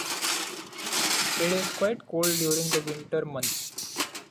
It is quite cold during the winter months.